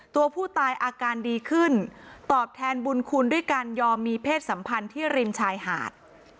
ตัวผู้ตายอาการดีขึ้นตอบแทนบุญคุณด้วยการยอมมีเพศสัมพันธ์ที่ริมชายหาด